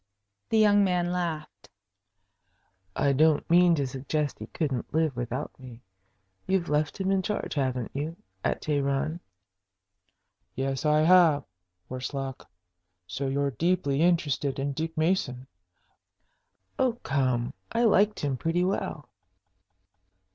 The young man laughed. "I don't mean to suggest he couldn't live without me. You've left him in charge, haven't you, at Teheran?" "Yes, I have worse luck. So you're deeply interested in Dick Mason?" "Oh, come I liked him pretty well."